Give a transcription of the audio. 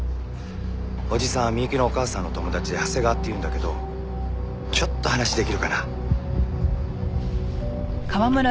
おじさん美雪のお母さんの友達で長谷川っていうんだけどちょっと話出来るかな？